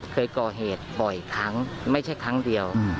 เคยก่อเหตุบ่อยครั้งไม่ใช่ครั้งเดียว